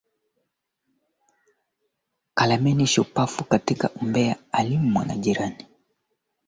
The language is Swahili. Rosario wa Argentina alizaliwa tarehe kumi na nne